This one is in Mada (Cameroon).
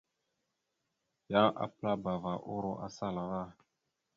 Yan apəlabava uro asala ava.